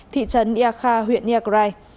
thị trấn ia kha huyện iagrai